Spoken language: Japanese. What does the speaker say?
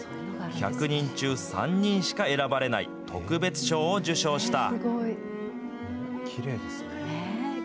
１００人中３人しか選ばれない特別賞を受賞した。